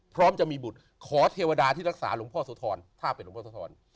พร้อมจะมีบุตรขอเทวดาที่รักษาหลวงพ่อโสธรถ้าเป็นหลวงพ่อโสธร